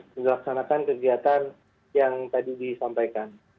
untuk dilaksanakan kegiatan yang tadi disampaikan